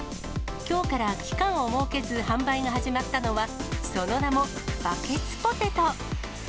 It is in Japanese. きょうから期間を設けず販売が始まったのは、その名もバケツポテト。